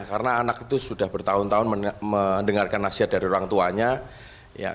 karena anak itu sudah bertahun tahun mendengarkan nasihat dari orang tuanya